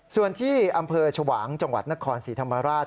ส่วนที่อำเภอชวางจังหวัดนครศรีธรรมราช